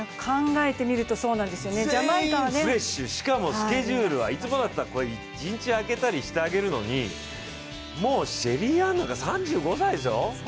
全員フレッシュ、しかもスケジュールはいつもだったりは１日空けたりしてあげるのに、もうシェリーアンなんて３５歳でしょ。